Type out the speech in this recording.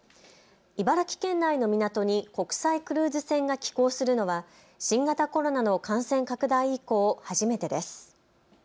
茨城県内の港に国際クルーズ船が寄港するのは新型コロナの感染拡大以降、初めてです。